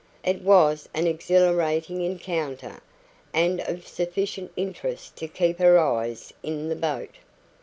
It was an exhilarating encounter, and of sufficient interest to keep her "eyes in the boat".